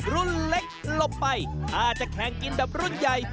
รุ่นเล็กหลบไปถ้าจะแข่งกินแบบรุ่นใหญ่